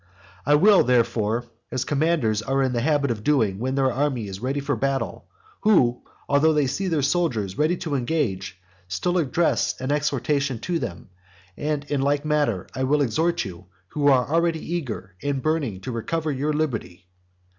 V. I will act, therefore, as commanders are in the habit of doing when their army is ready for battle, who, although they see their soldiers ready to engage, still address an exhortation to them; and in like manner I will exhort you who are already eager and burning to recover your liberty.